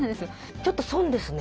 ちょっと損ですね。